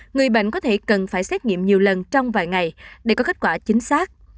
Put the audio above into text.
người bệnh có thể cần phải xét nghiệm nhiều lần trong vài ngày để có kết quả chính xác